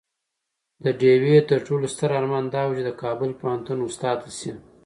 د ډيوې تر ټولو ستر ارمان دا وو چې د کابل پوهنتون استاده شي